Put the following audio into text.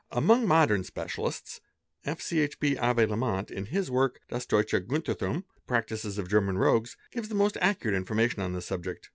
Among modern specialists, F. Ch. B. Avé Lallemant, in his work, Das Deutsche Gaunerthum ("The practices of German rogues '"') gives the most accurate information on this subject.